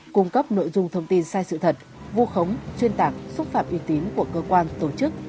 cung cấp nội dung thông tin sai sự thật vu khống xuyên tạc xúc phạm uy tín của cơ quan tổ chức